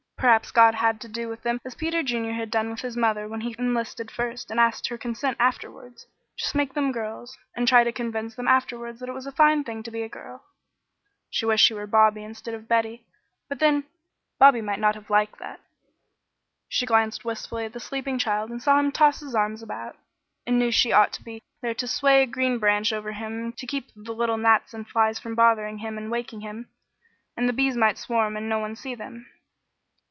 Perhaps God had to do with them as Peter Junior had done with his mother when he enlisted first and asked her consent afterwards; just make them girls, and then try to convince them afterwards that it was a fine thing to be a girl. She wished she were Bobby instead of Betty but then Bobby might not have liked that. She glanced wistfully at the sleeping child and saw him toss his arms about, and knew she ought to be there to sway a green branch over him to keep the little gnats and flies from bothering him and waking him; and the bees might swarm and no one see them.